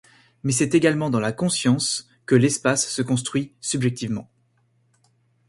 Mais c'est finalement dans la conscience que l'espace se construit subjectivement.